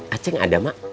aceh gak ada mak